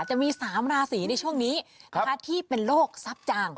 จะมี๓ราศีในช่วงนี้นะคะที่เป็นโรคทรัพย์จัง